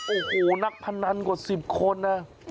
โอ้โหนักพนันกว่า๑๐คนนะ